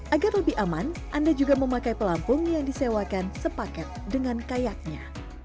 agar lebih aman anda juga memakai pelampung yang disewakan sepaket dengan kayaknya